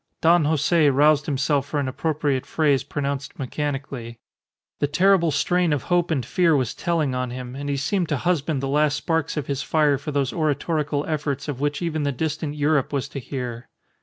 Don Jose roused himself for an appropriate phrase pronounced mechanically. The terrible strain of hope and fear was telling on him, and he seemed to husband the last sparks of his fire for those oratorical efforts of which even the distant Europe was to hear.